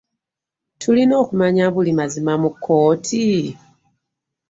Tulina okumanya buli mazima mu kkooti?